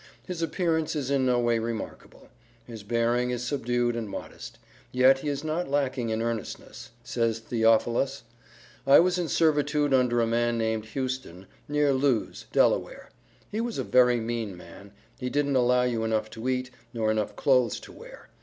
His appearance is in no way remarkable. His bearing is subdued and modest; yet he is not lacking in earnestness. Says Theophilus, "I was in servitude under a man named Houston, near Lewes, Delaware; he was a very mean man, he didn't allow you enough to eat, nor enough clothes to wear.